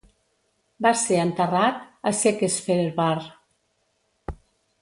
Va ser enterrat a Székesfehérvár.